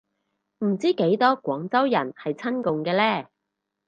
唔知幾多廣州人係親共嘅呢